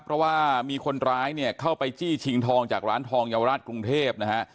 เพราะว่ามีคนร้ายเนี่ยเข้าไปจี้ชิงทองจากร้านทองเยาวราชกรุงเทพนะฮะ